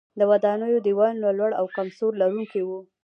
د ودانیو دیوالونه لوړ او کم سور لرونکي وو.